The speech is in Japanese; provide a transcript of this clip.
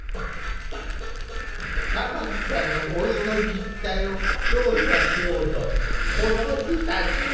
玉木さんの老いの実態を調査しようとこの日訪ねたのは。